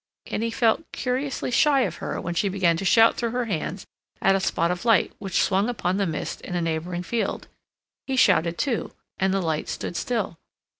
And he felt curiously shy of her when she began to shout through her hands at a spot of light which swung upon the mist in a neighboring field. He shouted, too, and the light stood still.